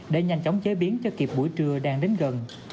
để nhanh chóng chế biến cho kịp buổi trưa đang đến gần